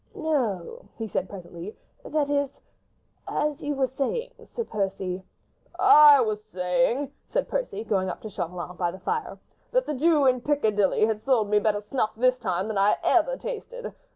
"No," he said presently, "that is—as you were saying, Sir Percy—?" "I was saying," said Blakeney, going up to Chauvelin, by the fire, "that the Jew in Piccadilly has sold me better snuff this time than I have ever tasted.